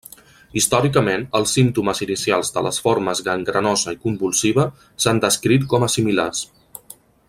Històricament, els símptomes inicials de les formes gangrenosa i convulsiva s'han descrit com a similars.